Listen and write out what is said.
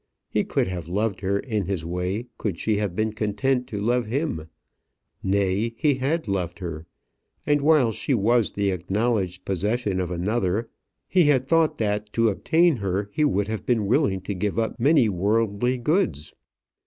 He could have loved her in his way, could she have been content to love him. Nay, he had loved her; and while she was the acknowledged possession of another, he had thought that to obtain her he would have been willing to give up many worldly goods.